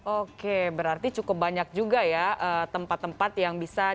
oke berarti cukup banyak juga ya tempat tempat yang bisa dilakukan